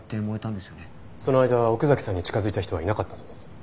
その間奥崎さんに近づいた人はいなかったそうです。